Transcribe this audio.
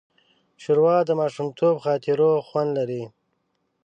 ښوروا د ماشومتوب د خاطرو خوند لري.